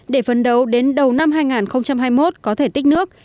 để phấn đấu đến đầu năm hai nghìn hai mươi một có thể tích nước